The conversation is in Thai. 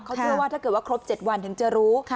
เขาเชื่อว่าถ้าเกิดว่าครบ๗วันถึงจะรู้